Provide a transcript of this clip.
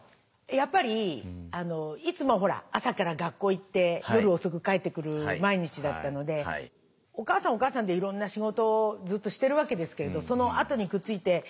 やっぱりいつもほら朝から学校へ行って夜遅く帰ってくる毎日だったのでお母さんはお母さんでいろんな仕事をずっとしてるわけですけれどそのあとにくっついて。